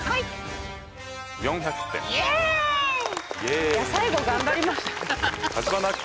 イエイ！いや最後頑張りました。